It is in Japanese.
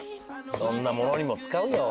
どんなものにも使うよ。